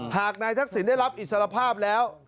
หากนายทักษิณได้รับอิสรภาพแล้ว